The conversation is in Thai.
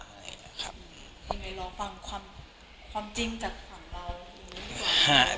ยังไงรอฟังความจริงจากฝั่งเรา